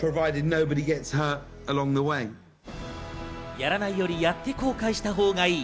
やらないよりやって後悔したほうがいい。